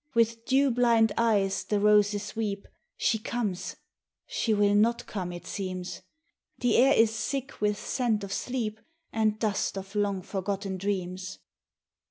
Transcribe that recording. With dew blind eyes the roses weep, She comes she will not come it seems; The air is sick with scent of sleep And dust of long forgotten dreams.